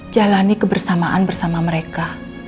jalani kebersamaan bersama mereka